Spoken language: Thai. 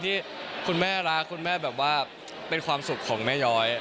ที่คุณแม่รักคุณแม่แบบว่าเป็นความสุขของแม่ย้อย